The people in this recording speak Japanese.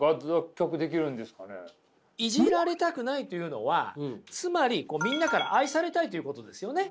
イジられたくないというのはつまりみんなから愛されたいということですよね。